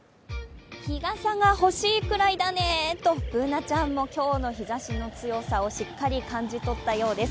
日傘が欲しいくらいだねとＢｏｏｎａちゃんも今日の日ざしの強さをしっかり感じ取ったようです。